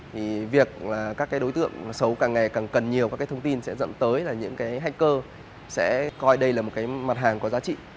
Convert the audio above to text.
thì việc là các cái đối tượng xấu càng ngày càng cần nhiều các cái thông tin sẽ dẫn tới là những cái hacker sẽ coi đây là một cái mặt hàng có giá trị